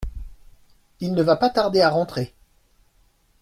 Il ne va pas tarder à rentrer.